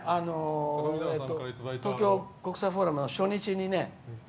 東京国際フォーラムの初日にね。